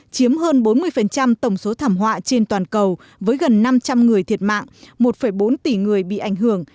chiếm hơn bốn mươi tổng số thảm họa trên toàn cầu với gần năm trăm linh người thiệt mạng một bốn tỷ người bị ảnh hưởng